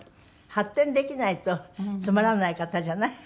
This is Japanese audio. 発展できないとつまらない方じゃない？